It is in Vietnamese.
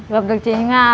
gặp được chị nga